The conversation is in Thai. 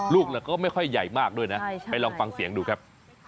ลูกก็ไม่ค่อยใหญ่มากด้วยนะไปลองฟังเสียงดูครับ